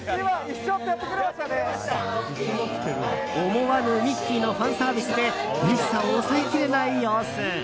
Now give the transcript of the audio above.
思わぬミッキーのファンサービスでうれしさを抑えきれない様子。